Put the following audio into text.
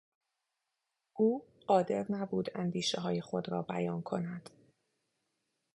او قادر نبود اندیشههای خود را بیان کند.